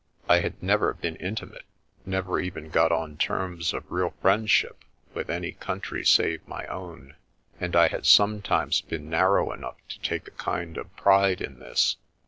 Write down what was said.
I had never been intimate, never even got on terms of real friendship with any country save my own; and I had sometimes been narrow enough to take a kind of pride in this.